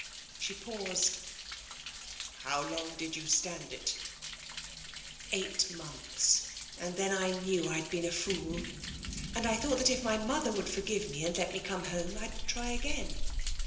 She paused. " How long did you stand it? "" Eight months. And then I knew Fd been a fool, and I thought that if my mother would forgive me and let me come home, I'd try again.